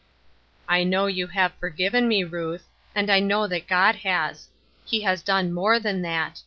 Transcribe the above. I know you have forgiven me, Ruth, and I know that God has. He has done more than that.